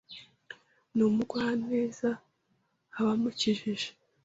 Ni umugwaneza abamukikije.